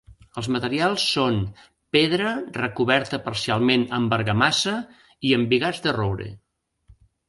Els materials són: pedra recoberta parcialment amb argamassa i embigats de roure.